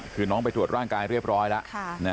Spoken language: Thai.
คือน้องไปทวดร่างกายเรียบร้อยแล้วนะครับ